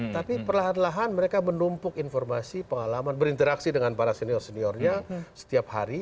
tapi perlahan lahan mereka menumpuk informasi pengalaman berinteraksi dengan para senior seniornya setiap hari